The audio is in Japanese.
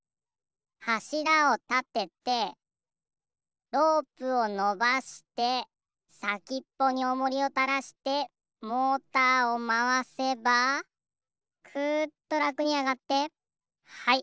はしらをたててロープをのばしてさきっぽにおもりをたらしてモーターをまわせばくっとらくにあがってはい。